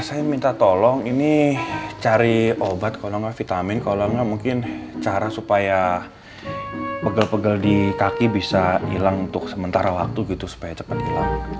saya minta tolong ini cari obat vitamin kolamnya mungkin cara supaya pegel pegel di kaki bisa hilang untuk sementara waktu gitu supaya cepat hilang